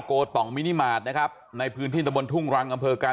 โตต่องมินิมาตรนะครับในพื้นที่ตะบนทุ่งรังอำเภอการ